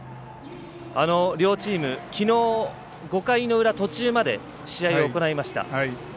両チームきのう５回の裏の途中まで試合を行いました。